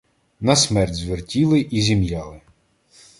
На смерть звертіли і зім'яли